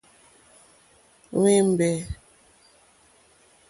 Hwémbè.